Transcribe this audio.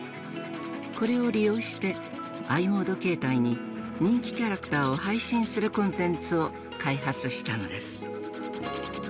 これを利用してｉモード携帯に人気キャラクターを配信するコンテンツを開発したのです。